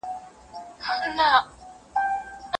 د کلونو مسافر یم د ښکاریانو له شامته